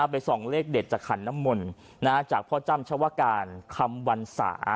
ไปส่องเลขเด็ดจากขันน้ำมนต์จากพ่อจ้ำชาวการคำวรรษา